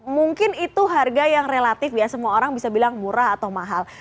mungkin itu harga yang relatif ya semua orang bisa bilang murah atau mahal